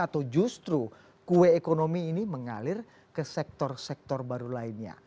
atau justru kue ekonomi ini mengalir ke sektor sektor baru lainnya